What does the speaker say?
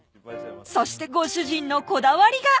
そしてご主人のこだわりが！